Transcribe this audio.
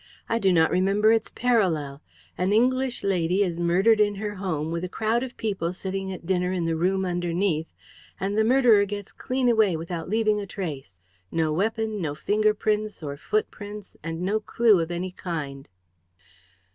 "I do not remember its parallel. An English lady is murdered in her home, with a crowd of people sitting at dinner in the room underneath, and the murderer gets clean away, without leaving a trace. No weapon, no finger prints or footprints, and no clue of any kind."